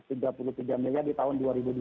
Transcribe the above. rp tiga puluh tiga miliar di tahun dua ribu dua puluh